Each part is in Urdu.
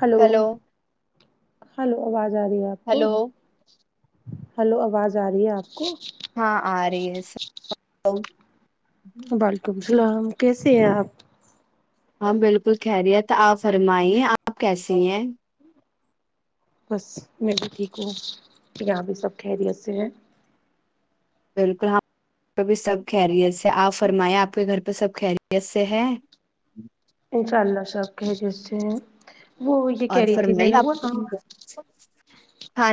ہلو ہیلو ہلو آواز ج رہی ہے آپ کو ہیلو ہلو آواز ج رہی ہے آپ کو ہاں آ رہی ہے سب ا وعلیکم اللام کیسے ہیں آپ ہاں بالکل خیریت آپ فرمائیے آپ کیسیے ہیں بس میں بھی ٹھیک ہوں یہاں بھی سب خیریت سے ہے بالکل ہماں پہ بھی سب خیریت سے آپ فرمائیں آپ کے گھر پہ سب خیریت سے ہے انشاء اللہ صاب کے ح جیس سے ہیں وہ یہ اور کہہ رہی تھی میں فرمائی نے وہ تھا آپ کھانا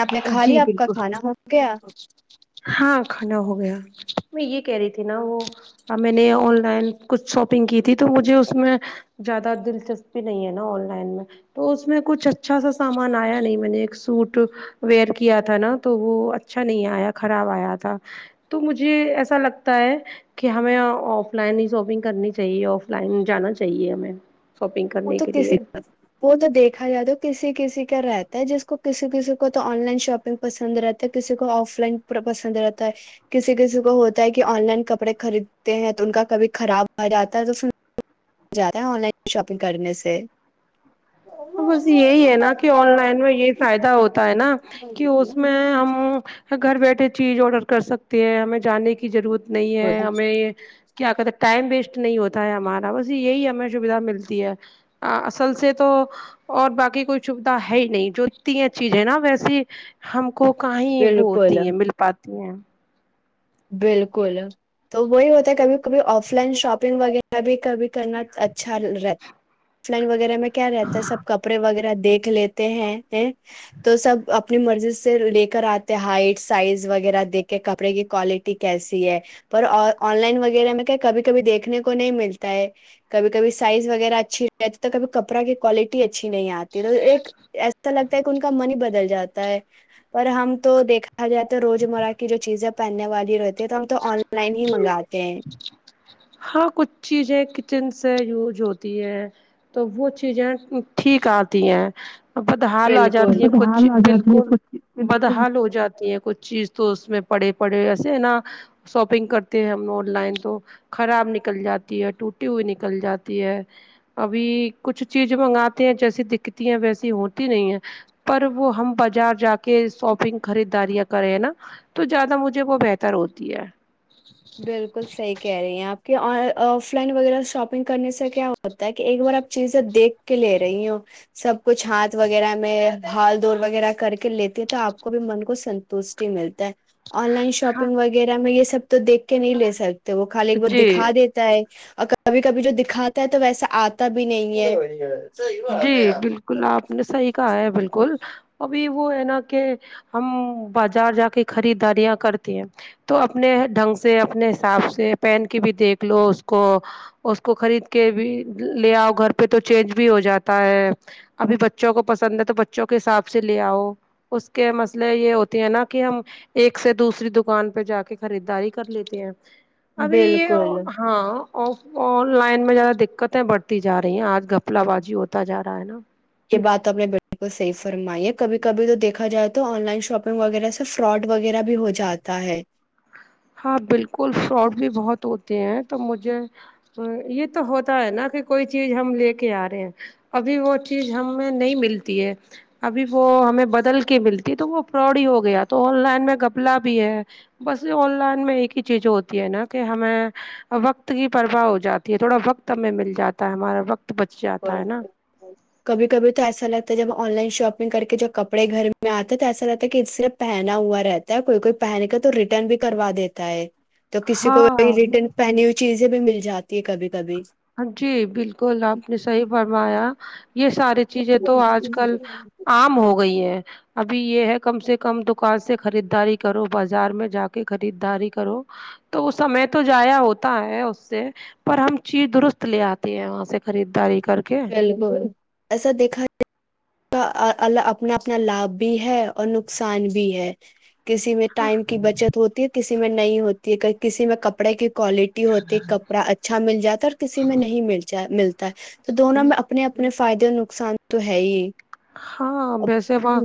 آپ نے کھا جی لیا آپ کا بالکل کھانا ہو گیا ہاں کھانا ہو گیا میں یہ کہہ رہی تھی نا وہ میں نے آن لائن کچھ شاپنگ کی تھی تو مجھے اس میں زیادہ دلچسپی نہیں ہے نا آن لائن میں تو اس میں کچھ اچھا سا سامان آیا نہیں میں نے ایک سوٹ ویئر کیا تھا نا تو وہ اچھا نہیں آیا خراب آیا تھا تو مجھے ایسا لگتا ہے کہ ہمیں آف لائن ہی شاپنگ کرنی چاہیے آف لائن جانا چاہیے ہمیں شاپنگ وہ کرنے تو کے کسی لیے وہ تو دیکھا جائے تو کسی کسی رہتا ہے جس کو کسی کسی کو تو آن لائن شاپنگ پسند رہتا ہے کسی کو آف لائن پسند رہتا ہے کسی کسی کو ہوتا ہے کہ آن لائن کپڑے خریدتے ہیں تو ان کا کبھی خراب آ جاتا ہے تو جاتا ہے آن لائن شاپنگ کرنے سے بس یہی ہے نا کہ آن لائن میں یہی فائدہ ہوتا ہے نا کہ اس میں ہم گھر بیٹھے چیز آڈر کر سکتی ہیں ہمیں جانے کی ضرورت نہیں ہے ہمیں کیا کہتے ہیں ٹائم ویسٹ نہیں ہوتا ہے ہمارا بس یہی ہمیں سویدھا ملتی ہے اصل سے تو اور باقی کوئی سویدھا ہے ہی نہیں جو ت چیزیں نا ویسی ہم کو کہیں وہ بالکل ہوتی ہیں مل پات پں بالکل تو وہی ہوتا ہے کبھی کبھی آف لائن شاپنگ وغیرہ بھی کبھی کرنا اچھا رہتا آف لائن وغیرہ میں کیا رہتا ہے سب کپڑے وغیرہ دیکھ لیتے ہیں تو سب اپنی مرضی سے لے کر آتے ہائٹ سائز وغیرہ دیک کے کپڑے کی کوالٹی کیسی ہے پر آن لائن وغیرہ میں کیا کبھی کبھی دیکھنے کو نہیں ملتا ہے کبھی کبھی سائز وغیرہ اچھی رہتی تو کبھی کپڑا کی کوالٹی اچ اچھی نہیں آتی تو ایک ای لگتا ہے کہ ان کا من ہی بدل جاتا ہے پر ہم تو دیکھا جائے تو روزمرہ کی جو چیزیں پہنے والی رہتی ہے تو ہم تو آن لائن ہی منگاتے کہ ہاں کچھ چیزیں کچن سے یوز ہوتی ہے تو وہ چیزیں ٹھیک آتی ہیں بدحال آ بالکل جاتی ہے کچھ چی ڈھال آ جاتا بالکل ہے بالکل بدحال ہو جاتی ہے کچھ چیز تو اس میں پڑے پڑے ایسے ہے نا شاپنگ کرتے ہیں ہم لو آ لائن تو خراب نکل جاتی ہے ٹوٹی ہوئی نکل جاتی ہے ابھی کچھ چیز منگاتے ہیں جیسی دکھتی ہیں ویسی ہوتی نہیں ہے پر وہ ہم بازار جا کے شاپنگ خریداریاں کرے ہیں نا تو زیادہ مجھے وہ بہتر ہوتی ہے بالکل صحی کہہ رہی ہیں آپ کہ آف لائن وغیرہ شاپنگ کرنے سے کیا ہوتا ہے کہ ایک بار آپ چیزیں دیکھ کے لے رہی ہو سب کچھ ہاتھ وغیرہ میں ہھال دور وغیرہ کر کے لیتی ہ تو آپ کو بھی من کو سنتوشٹی ملتا ہے آن لائن ہاں شاپنگ وغیرہ میں سب تو دیکھ کے نہیں لے سر تو وہ خالی ایک بار جی دکھا دیتا ہے اور کبھی کبھی جو دکھاتا ہے تو ویسا آتا بھی نہیں ہے جی بالکل آپ نے صحیح ہے بالکل ابھی وہ ہے نا کہ ہم بازار جا کے خریداریاں کرتی ہیں تو اپنے ڈھنگ سے اپنے حساب سے پہن کے بھی دیکھ لو اس کو اس کو خرید کے بھی لے آؤ گھر پہ تو چینج بھی ہو جاتا ہے ابھی بچوں کو پسند ہے تو بچوں کے حساب سے لے آؤ اس کے مسئلے یہ ہوتی ہیں نا کہ ہم ایک سے دوسری دکان پہ جا کے خریداری کر لیتے ہیں ابھی یہ بالکل ہاں آن لائن میں زیادہ دقتیں بڑھتی جا رہی ہیں آج پپلا بازی ہوتا جا رہا ہے نا یہ بات اپنے بالل صحیح فرمائی ہے کبھی کبھی تو دیکھا جائے تو آن لائن شاپنگ وغیرہ سے فراڈ وغیرہ بھی ہو جاتا ہے ہاں بالکل فراڈ بھی بہت ہوتے ہیں تو مجھے یہ تو ہوتا ہے نا کہ کوئی چیز ہم لے کے آ رہے ہیں ابھی وہ چیز ہمیں نہیں ملتی ہے ابھی وہ ہمیں بدل کے ملتی ہے تو وہ فاڈ ہی ہو گیا تو آن لائن میں گپلا بھی ہے بس یہ ان میں ایک ہی چیز ہوتی ہے نا کہ ہمیں وقت کی پرواہ ہو جاتی ہے تھوڑا وقت ہمیں مل جاتا ہے ہمارا وقت تو بچ جاتا ہے نا بالکل کبھی کبھی تو ایسا لگتا ہے جب آن لائن شاپنگ کر کے جب کپڑے گھر میں آتے ہیں تو ایسا لگتا ہے کہ اس سےرف پہنا ہوا رہتا ہے کوئی کوئی پہنے کا تو ریٹرن بھی کروا دیتا ہے تو کسی کو ہاں ریٹرن پہنی ہوئی چیز بھی مل جاتی ہے کبھی کبھی جی بالکل آپ نے صحیح فرمایا یہ ساری چیزیں تو آج کل عام ہو گئی ہے ابھی یہ ہے کم سے کم کم دکان سے خریداری کی کرو بازار میں جا کے خریدداری کرو تو وہ سمے تو جضایا ہوتا ہے اس سے پر ہم چیز درست لے آتی ہے وہاں سے خریداری کر کے بالکل ایسا دیکھا ہے ال اپنا اپنا لابھ بھی ہے اور نقصان بھی ہے کسی میں ٹائم کی بچت ہوتی کسی میں نہیں ہوتی ہے کسی میں کپڑے کی کوالٹی ہوتی کپڑا اچھا مل جاتا ہے اور کسی میں نہیں مل ملتا ت تو ہاں دونوں میں اپنے اپنے فائدے نقصان تو ہے ہی ہاں بیسے وہ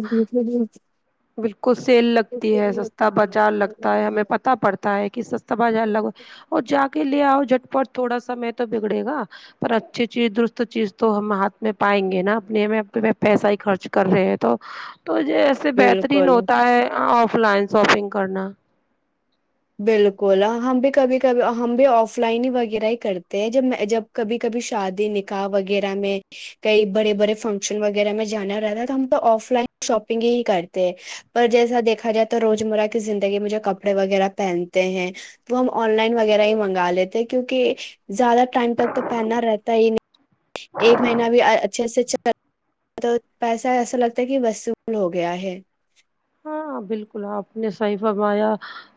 بالکل سیل لگتی ہے سستا بازار لگتا ہے ہمیں پت پڑتا ہے ک س تب جا الگ ہوئے اور جا کے لیے آؤ جٹپٹ تھوڑا سا میں تو بگڑے گا پر اچھی چیز درست چیز تو ہم ہاتھ میں پائیں گے نا اپنے ہم اپنے پیسہ ہی خرچ کر رہے ہیں تو تو یہ ایسے ب دن بالکل ہوتا ہے آف لائن شاپنگ کرنا بالکل ہم بھی کبھی کبھی ہم بھی آف لائن ہی وغیرہ ہی کرتے ہیں جب جب کبھی کبھی شادی نکاح وغیرہ میں کئی بڑے بڑے فنکشن وغیرہ میں جانا رہتا ہے تو ہم تو آف لائن شاپنگ ہی کرتے ہیں پر جیسا دیکھا جاتا روزمرہ کی زندگی مجھے کپڑے وغیرہ پہنتے ہیں وہ ہم آن لائن وغیرہ ہی منگا لیتے کیوںکہ زیادہ ٹائم تک تو پہننا رہتا ہی نہیں ایک مہینہ بھی اچھے سے چل پیسہ ایسا لگتا ہے کہ وصول ہو گیا ہے ہاں بالکل آپ نے صحیح فرمایا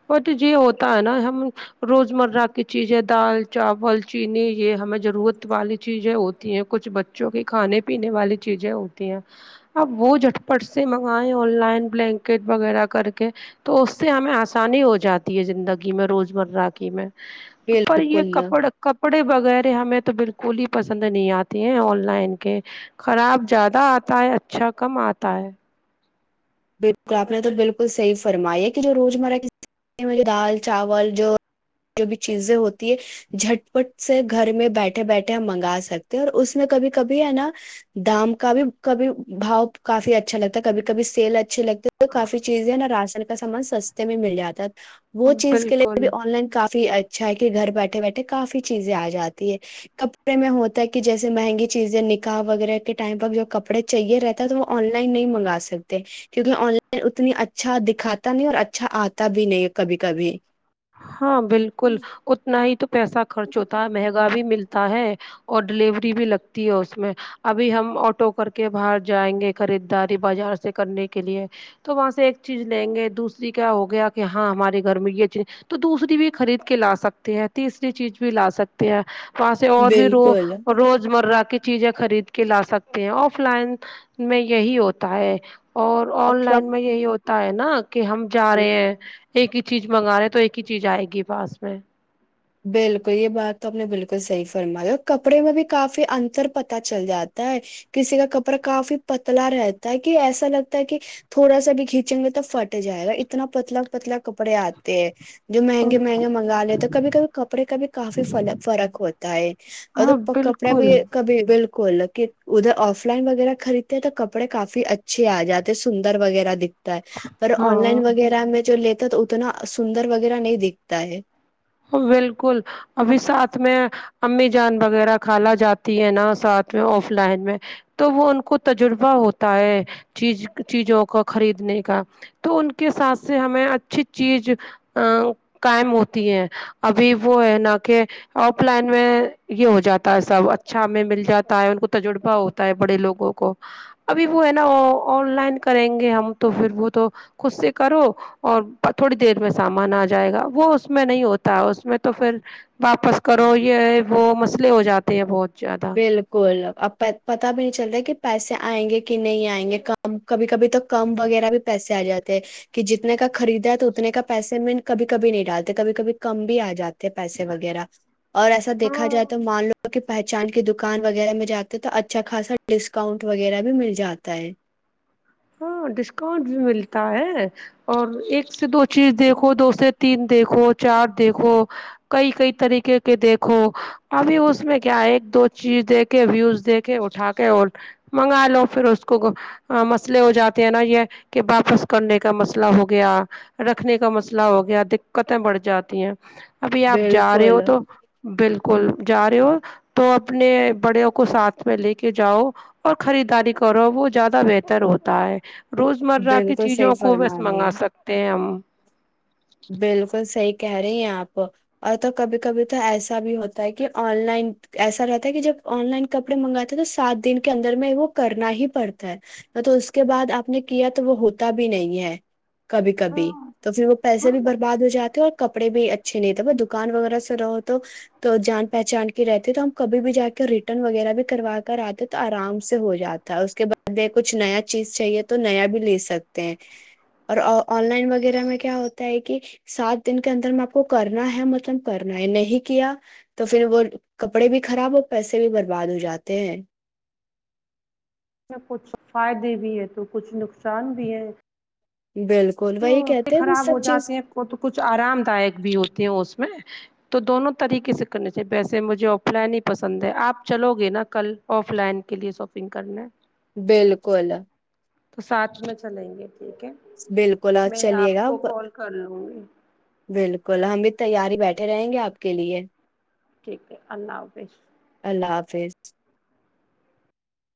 بٹ یہ ہوتا ہے نا ہم روز مرہ کی چیزیں دال چاول چینی یہ ہمیں ضرورت والی چیزیں ہوتی ہیں کچھ بچوں کی کھانے پینے والی چیزیں ہوتی ہیں اب وہ جٹپٹ سے منگیں آن لائن بلینکٹ وغیرہ کر کے تو اس سے ہمیں آسانی ہو جاتی ہے زندگی میں روز مرہ کی میں پر یہ بالکل کپڑے کپڑے وغیرہ ہمیں تو بالکل کو ہی پسند نہیں آتے ہیں آن لائن کے خراب زیادہ آتا ہے اچھا کم آتا ہے بالکل آپ نے تو بالکل صحیح فرمائی ہے کہ جو روزمرہ کی دال چاول جو جو بھی چیزیں ہوتی ہے جھٹ پٹ سے گھر میں بیٹھے بیٹھے ہم منگا سکتے ہیں اور اس میں کبھی کبھی ہے نا دام کا بھی کبھی بھاؤ کافی اچھا لگتا ہے کبھی کبھی سیل اچھے لگتے ہیں تو کافی چیزیں ہیں نا رشن کا سامان سستے میں مل جاتا ہے وہ چیز کے لیے بھی بالکل آن لائن کافی ا اچھا ہے کہ گھر بیٹھے بیٹھے کافی چیزیں آ جاتی ہے کپڑے میں ہوتا ہے کہ جیسے مہنگی چیزیں نکاح وغیرہ کے ٹائم پر جو کپڑے چاہیے رہتا ہے تو وہ آن لائن نہیں منگا سکتے کیونکہ آن لائن اتنی اچھا دکھاتا نہیں اور اچھا آتا بھی نہیں کبھی کبھی ہاں بالکل اتنا ہی تو پیسہ خرچ ہوتا ہے مہنگا بھی ملتا تا ہے اور ڈیلیوری بھی لگتی ہے اس میں ابھی ہم آٹو کر کے باہر جائیں گے خریداری بازار سے کرنے کے لیے تو وہاں سے ایک چیز لیں گے دوسری کیا ہو گیا کہ ہاں ہمارے گھر میں یہ چی تو دوسری بھی خرید کے لا سکتے ہیں تیسری چیز بھی لا سکتے ہیں پس اور بھی رو بالکل روز مرہ کے چیزیں خرید کے لا سکتے ہیں آف لائن میں یہی ہوتا ہے اور اب آن سب لائن میں یہی ہوتا تیناک کہ ہم جا رہے ہیں ایک ہی چیز منگ رہے ہیں تو ایک کی چیز آئے گی پاس میں بالکل یہ بات تو آپ نے بالکل صحیح فرمائی اور کپڑے میں بھی کافی انتر پت چل جاتا ہے کسی کا کپڑا کافی پتلا رہتا ہے کہ ایسا لگتا ہے کہ تھوڑا سا بھی کھینچیں گے تو پھٹ جائے گا اتنا پتلا پتلا کپڑے آتے ہیں جو مہنگے مہنگے مگا لے تو کبھی کبھی کپڑے کا بھی کافی فرق ہوتا ہے ہاں مب کپڑے بالکل بھی کب بالکل کہ ادھر آف لائن وغیرہ خریدتے تو کپڑے کافی اچھے آ جاتے سندر وغیرہ دکھتے پر آن ہاں لائن وغیرہ میں جو ل تو اتنا سندر وغیرہ نہیں دیککھتا ہے بالکل ابھی ساتھ میں امی جان وغیرہ کھالا جاتی ہے نا ساتھ میں آف لائن میں تو وہ ان کو تجربہ ہوتا ہے چیز چیزوں کو خریدنے کا تو ان کے ساتھ سے ہمیں اچھی چیز ا قائم ہوتی ہے ابھی وہ ہے نا کہ آف لائن میں یہ ہو جاتا ہے سب اچھا میں مل جاتا ہے ان کو تجربہ ہوتا ہے بڑے لوگوں کو ابھی وہ ہے نا آن لائن کریں گے ہم تو پھر وہ تو خود سے کرو اور تھوڑی دیر میں سامان آ جائے گا وہ اس میں نہیں ہوتا اس میں تو پھر واپس کرو یہ وہ مسئلے ہو جاتے ہیں بہت زیادہ بالکل آپ پت بھی نہیں چلتے کہ پیسے آئیں گے کہ نہیں آئیں گے کم کبھی کبھی تو کم وغیرہ بھی پیسے آ جاتے ہیں کہ جتنے کا خریدا ہے تو اتنے کا پیسے میں کبھی کبھی نہیں ڈالتے کبھی کبھی کم بھی آ جاتے پیسے وغیرہ اور ایسا دیکھا ہاں جائے تو مان لو اوک بائ [unintelligible] پہچاند کی دکان وغیرہ میں جاتے تو اچھا خاصا ڈسکاؤنٹ وغیرہ بھی مل جاتا ہے ہاں ڈسکاؤنٹ بھی ملتا ہے اور ایک سے دو چیز دیکھو دوست سے تین دیکھو چار دیکھو کئی کئی طریقے کے دیکھو ابھی اس میں کیا ایک دو چیز دیک کے ویوز دیک کے اٹھا کے اور منگا لو پھر اس کو اسلے ہو جاتے ہیں نا یہ کہ واپس کرنے کا مسئلہ ہو گیا رکھنے کا مسئلہ ہو گیا دقتیں بڑھ جاتی ہیں ابھی آپ جا رہے ہو بالکل تو بالکل جا رہے ہو تو اپنے بڑےوں کو ساتھ میں لے کے جاؤ اور خریداری کرو وہ زیادہ بہتر ہوتا ت [unintelligible] روزمرہ کی بالکل صحیح چیزوں کو بس فرما رہی منگا ہے سکتے ہیں ہم بالکل صحی کہہ رہی ہیں آپ اور تو کبھی کبھی تو ایسا بھی ہوتا ہے کہ آن لائن ایسا رہتا ہے کہ جب آن لائن کپڑے منگاتے تو سات دن کے اندر میں وہ کرنا ہی پڑتا ہے تو اس کے بعد آپ نے کیا تو وہ ہوتا بھی نہیں ہے کبھی کبھی تو پھر وہ پسے بھی برباد ہو جاتے ہیں اور کپڑے بھی اچھے نہیں تھ دکان وغیرہ سے رہو تو تو جان پہچان کی رہتی تو ہم کبھی بھی جا کے ریٹرن وغیرہ بھی کروا کر آتے تو آرام سے ہو جاتا ہے اس کے بعد کچھ نیا چیز چاہیے تو نیا بھی لے سکتے ہیں اور آن لائن وغیرہ میں کیا ہوتا ہے کہ سات دن کے اندر میں آپ کو کرنا ہے مطلب کرنا ہے نہیں کیا تو پھر وہ کپڑے بھی خراب اور پیسے بھی برباد ہو جاتے ہیں اس میں کچھ فائدے بھی ہیں تو کچھ نقصان بھی ہیں بالکل جو وہی کہتے ہیں وہ خراب ہو سب چیز جاتے ہیں تو کچھ آرام دائک بھی ہوتے ہیں اس میں تو دونوں طریقے سے کرنا چاہیے ویسے مجھے آف لائن ہی پسند ہے آپ چلو گے نا کل آف لائن کے لیے شاپنگ کرنے بالکل تو ساتھ میں چلیں گے ٹھیک ہے بالکل اور میں چلیے آپ گا کو کال کر لوں گی بالکل ہم بھی تیاری بیٹھے رہیں گے آپ کے لیے ٹھیک ہے اللہ حافظ اللہ حافظ